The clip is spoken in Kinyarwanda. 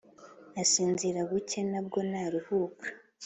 Asinzira buke, na bwo ntaruhuke,